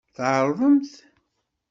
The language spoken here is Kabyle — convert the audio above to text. Tɛerḍemt.